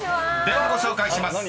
［ではご紹介します］